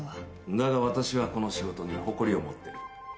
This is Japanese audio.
だが私はこの仕事に誇りを持ってる。